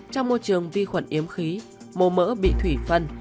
trong môi trường vi khuẩn yếm khí mô mỡ bị thủy phân